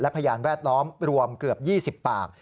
พยานแวดล้อมรวมเกือบ๒๐ปาก